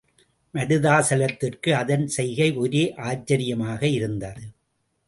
மருதாசலத்திற்கு அதன் செய்கை ஒரே ஆச்சரியமாக இருந்தது.